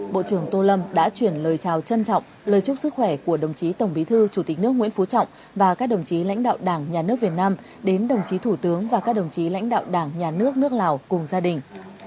bộ trưởng tô lâm đã chuyển lời chào trân trọng lời chúc sức khỏe của đồng chí tổng bí thư chủ tịch nước nguyễn phú trọng và các đồng chí lãnh đạo đảng nhà nước việt nam đến đồng chí thủ tướng và các đồng chí lãnh đạo đảng nhà nước nước lào cùng gia đình